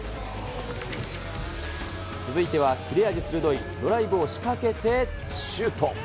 続いては切れ味鋭いドライブを仕掛けてシュート。